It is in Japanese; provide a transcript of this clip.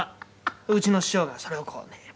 うちの師匠がそれをこうね」